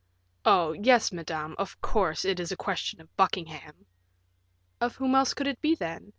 "Oh! yes, madame; of course, it is a question of Buckingham." "Of whom else could it be, then?